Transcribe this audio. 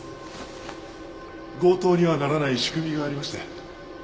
「強盗にはならない仕組みがありまして」